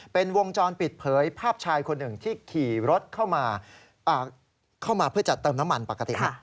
เป็นวงจรปิดเผยภาพชายคนหนึ่งที่ขี่รถเข้ามาเข้ามาเพื่อจะเติมน้ำมันปกติ